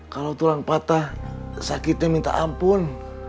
kalau tulang patah sakitnya minta ampun